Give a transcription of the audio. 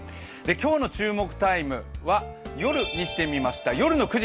今日の注目タイムは夜にしてみました。